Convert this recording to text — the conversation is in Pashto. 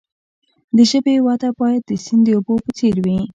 د ژبې وده باید د سیند د اوبو په څیر وي.